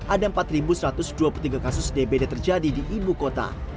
ada empat satu ratus dua puluh tiga kasus dbd terjadi di ibu kota